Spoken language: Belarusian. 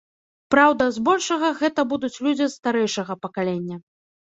Праўда, збольшага гэта будуць людзі старэйшага пакалення.